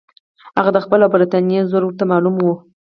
هغه د خپل او برټانیې زور ورته معلوم وو.